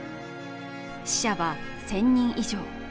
死者は１０００人以上。